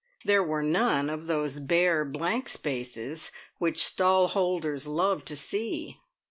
There were none of those bare, blank spaces which stall holders love to see.